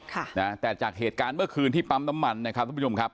ค่ะนะแต่จากเหตุการณ์เมื่อคืนที่ปั๊มน้ำมันนะครับทุกผู้ชมครับ